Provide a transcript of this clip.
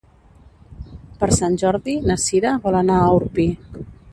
Per Sant Jordi na Cira vol anar a Orpí.